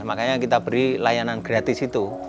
makanya kita beri layanan gratis itu